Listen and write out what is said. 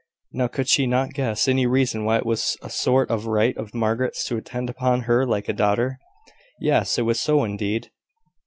Now, could she not guess any reason why it was a sort of right of Margaret's to attend upon her like a daughter? Yes, it was so indeed!